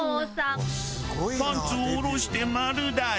パンツを下ろして丸出し。